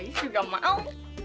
iis juga mau